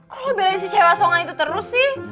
kok lo berisi cewek songan itu terus sih